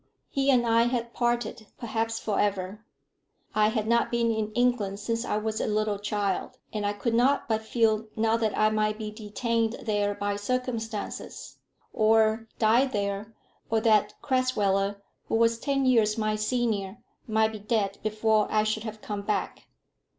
He and I had parted, perhaps for ever. I had not been in England since I was a little child, and I could not but feel now that I might be detained there by circumstances, or die there, or that Crasweller, who was ten years my senior, might be dead before I should have come back.